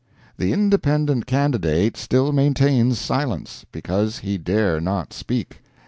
The independent candidate still maintains silence. Because he dare not speak.